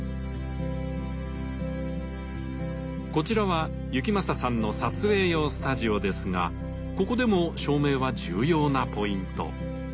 こちらは行正さんの撮影用スタジオですがここでも照明は重要なポイント。